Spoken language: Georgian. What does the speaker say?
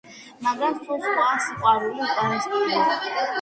"მაგრამ სულ სხვაა სიყვარული უკანასკნელი"